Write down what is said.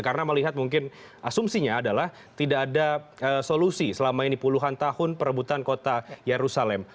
karena melihat mungkin asumsinya adalah tidak ada solusi selama ini puluhan tahun perebutan kota yerusalem